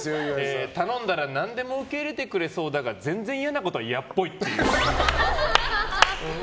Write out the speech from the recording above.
頼んだら何でも受け入れてくれそうだが全然、嫌なことは嫌っぽい。